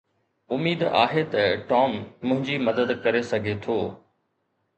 اميد آهي ته ٽام منهنجي مدد ڪري سگهي ٿو.